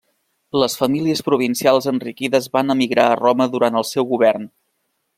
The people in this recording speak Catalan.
Les famílies provincials enriquides van emigrar a Roma durant el seu govern.